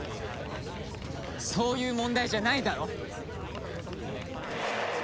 そういう問題じゃないだろ！